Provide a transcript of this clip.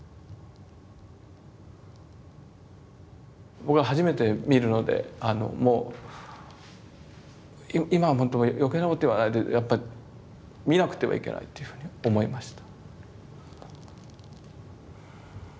僕は初めて見るのでもう今はほんと余計なこと言わないでやっぱり見なくてはいけないっていうふうに思いました。